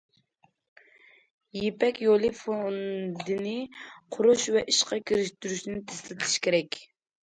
يىپەك يولى فوندىنى قۇرۇش ۋە ئىشقا كىرىشتۈرۈشنى تېزلىتىش كېرەك.